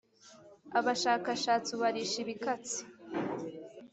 abashakashatsi ubarisha ibikatsi